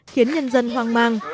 khiến nhân dân hoang mang